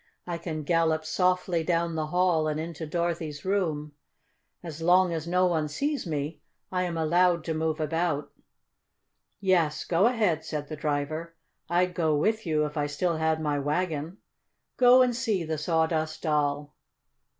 "I can gallop softly down the hall and into Dorothy's room. As long as no one sees me I am allowed to move about." "Yes, go ahead," said the Driver. "I'd go with you if I still had my wagon. Go and see the Sawdust Doll."